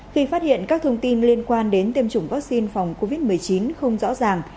khi phát hiện các thông tin liên quan đến tiêm chủng vaccine phòng covid một mươi chín không rõ ràng